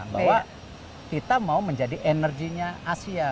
bahwa kita mau menjadi energinya asia